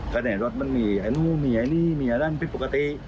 แหละในรถมันมีไอ้นู้นมีไอนี่มีอันนั้นวิทธ์ปกติ